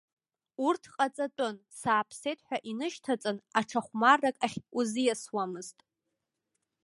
Урҭ ҟаҵатәын, сааԥсеит ҳәа инышьҭаҵан, аҽа хәмаррак ахь узиасуамызт.